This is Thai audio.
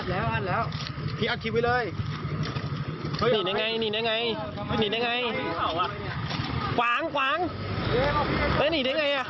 หนีได้ไง